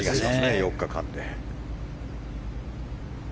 ４日間で。